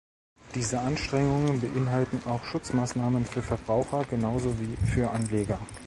Diese Anstrengungen beinhalten auch Schutzmaßnahmen für Verbraucher genauso wie für Anleger.